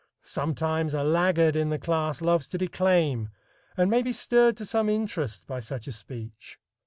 Sometimes a laggard in the class loves to declaim, and may be stirred to some interest by such a speech.